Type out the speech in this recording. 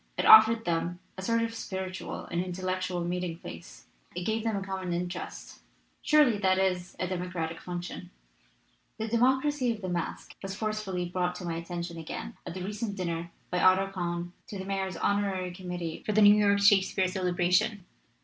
It afforded them a sort of spiritual and intellectual meeting place, it gave them a common interest. Surely that is a democratic function. 309 LITERATURE IN THE MAKING 1 'The democracy of the masque was forcefully brought to my attention again at the recent din ner by Otto Kahn to the Mayor's Honorary Com mittee for the New York Shakespeare Celebra tion.